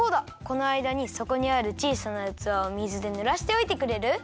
このあいだにそこにあるちいさなうつわを水でぬらしておいてくれる？